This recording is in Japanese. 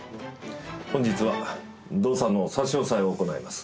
本日は動産の差し押さえを行います。